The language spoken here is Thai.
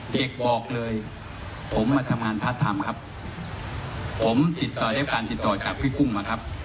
เด็กบอกเลยผมมาทำงานพระธรรมครับผมติดต่อได้การติดต่อจากพี่กุ้งมาครับ